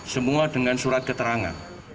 semua dengan surat keterangan